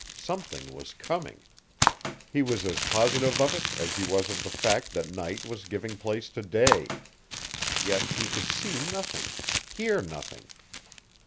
SOMETHING WAS COMING! He was as positive of it as he was of the fact that night was giving place to day. Yet he could see nothing hear nothing.